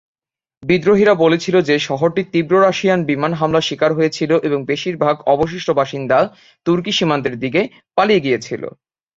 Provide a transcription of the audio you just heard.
বিদ্রোহীরা বলেছিল যে শহরটি তীব্র রাশিয়ান বিমান হামলার শিকার হয়েছিল এবং বেশিরভাগ অবশিষ্ট বাসিন্দা তুর্কি সীমান্তের দিকে পালিয়ে গিয়েছিল।